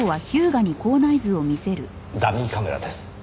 ダミーカメラです。